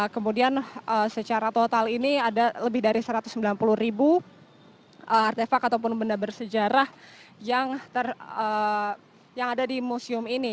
kemudian secara total ini ada lebih dari satu ratus sembilan puluh ribu artefak ataupun benda bersejarah yang ada di museum ini